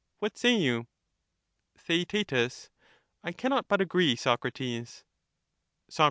What say you ? Theaet I cannot but agree, Socrates. Soc.